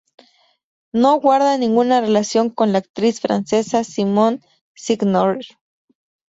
No guarda ninguna relación con la actriz francesa Simone Signoret.